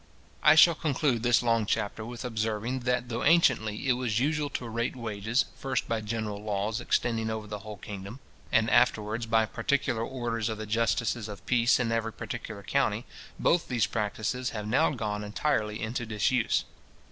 I shall conclude this long chapter with observing, that though anciently it was usual to rate wages, first by general laws extending over the whole kingdom, and afterwards by particular orders of the justices of peace in every particular county, both these practices have now gone entirely into disuse.